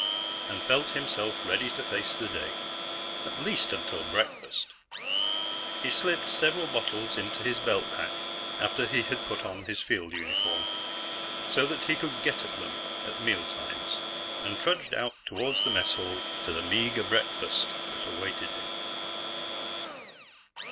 _" and felt himself ready to face the day. At least, until breakfast. He slipped several bottles into his belt pak after he had put on his field uniform, so that he could get at them at mealtimes, and trudged out toward the mess hall to the meager breakfast that awaited him.